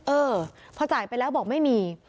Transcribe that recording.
เออพอจ่ายไปแล้วบอกไม่มี